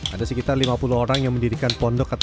ada sekitar lima puluh orang yang mendirikan pondok